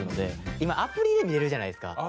今アプリで見られるじゃないですか。